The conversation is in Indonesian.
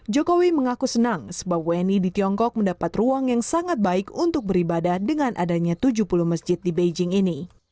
jokowi mengaku senang sebab wni di tiongkok mendapat ruang yang sangat baik untuk beribadah dengan adanya tujuh puluh masjid di beijing ini